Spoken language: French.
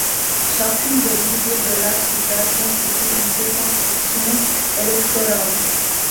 Chacune des dix villes de l'archipel constitue une circonscription électorale.